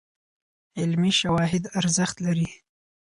علمي شواهد ارزښت لري.